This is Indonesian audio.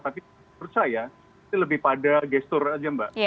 tapi percaya itu lebih pada gestur saja mbak